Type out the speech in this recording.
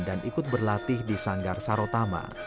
dan ikut berlatih di sanggar sarotama